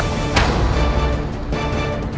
kamu menghina istriku